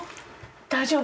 大丈夫？